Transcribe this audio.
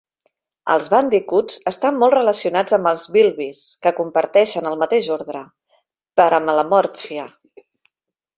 Els bàndicuts estan molt relacionats amb els bilbis, que comparteixen el mateix ordre, Peramelemorphia.